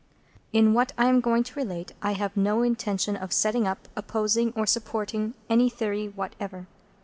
In what I am going to relate, I have no intention of setting up, opposing, or supporting, any theory whatever.